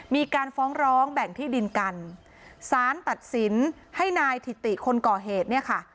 มีการฟ้องร้องแบ่งที่ดินกันสารตัดสินให้นายถิติคนก่อเหตุเนี่ยค่ะ